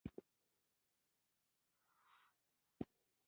پاکستان هیڅکله هم د افغانستان او افغانانو دوست نشي کیدالی.